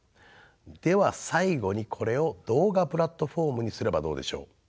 では最後にこれを動画プラットフォームにすればどうでしょう？